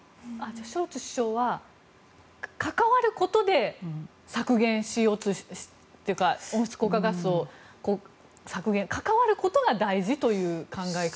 ショルツ首相は関わることで温室効果ガスを削減関わることが大事という考え方？